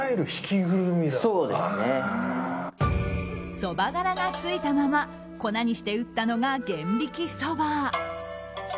そば殻がついたまま粉にして打ったのが玄挽きそば。